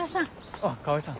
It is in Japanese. あっ川合さん。